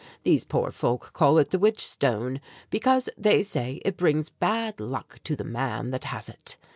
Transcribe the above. These poor folk call it the 'Witch Stone,' because, they say, it brings bad luck to the man that has it.